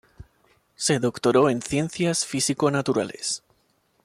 Se doctoró en Ciencias físico-naturales.